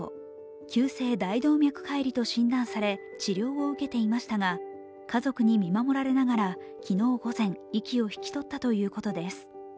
急性大動脈解離と診断され、治療を受けていましたが、家族に見守られながら昨日午前、息を引き取ったということです。